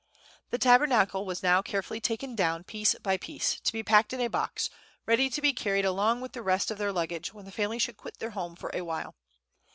The Tabernacle was now carefully taken down, piece by piece, to be packed in a box, ready to be carried along with the rest of their luggage when the family should quit their home for awhile.